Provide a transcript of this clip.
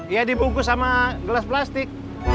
ya dibungkus sama gelas plastik